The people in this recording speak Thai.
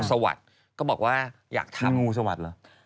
อเจมส์อคุณภาคมันต้องไปที่นี่ด้วย